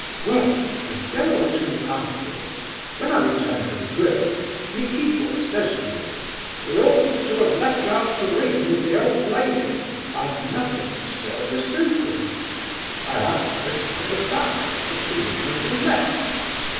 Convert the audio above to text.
"Well, a day or two afterwards, when I returned from drill, Nikifor says to me: 'We oughtn't to have left our tureen with the old lady, I've nothing to serve the soup in.' "I asked how it came about that the tureen had been left.